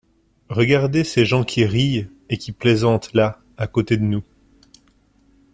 Regardez ces gens qui rient et qui plaisantent, là, à côté de nous.